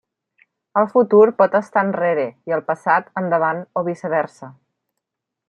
El futur pot estar enrere i el passat endavant o viceversa.